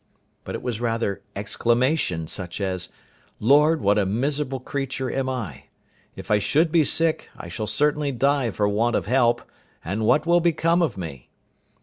But it was rather exclamation, such as, "Lord, what a miserable creature am I! If I should be sick, I shall certainly die for want of help; and what will become of me!"